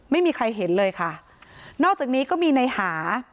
ไม่มีใครเห็นเลยค่ะนอกจากนี้ก็มีในหา